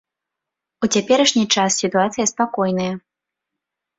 У цяперашні час сітуацыя спакойная.